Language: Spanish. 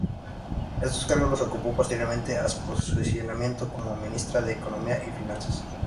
Estos cargos los ocupó posteriormente a su posicionamiento como Ministra de Economía y Finanzas.